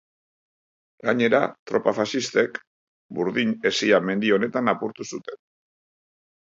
Gainera, tropa faxistek Burdin Hesia mendi honetan apurtu zuten.